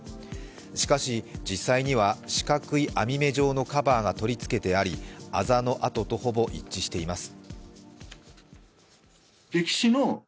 しかし、実際には四角い網目状のカバーが取り付けてありあざの痕とほぼ一致しています。